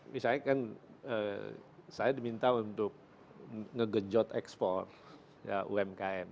misalnya kan saya diminta untuk ngegenjot ekspor umkm